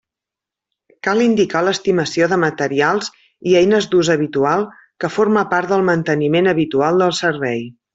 Cal indicar l'estimació de materials i eines d'ús habitual que forma part del manteniment habitual del servei.